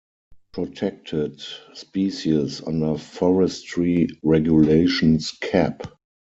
Protected Species under Forestry Regulations Cap.